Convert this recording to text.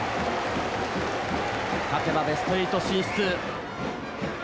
勝てばベスト８進出。